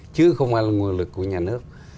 chứ không phải là nguồn lực của nhà nước